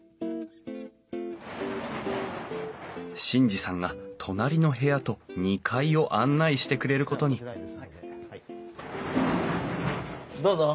眞二さんが隣の部屋と２階を案内してくれることにどうぞ。